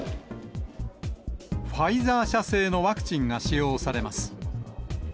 ファイザー社製のワクチンが使用されます。